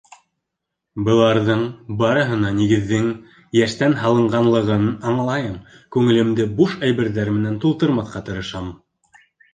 Быларҙың барыһына нигеҙҙең йәштән һалынғанлығын аңлайым, күңелемде буш әйберҙәр менән тултырмаҫҡа тырышам.